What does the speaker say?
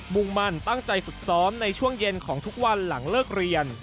มุ่งมั่นตั้งใจฝึกซ้อมในช่วงเย็นของทุกวันหลังเลิกเรียน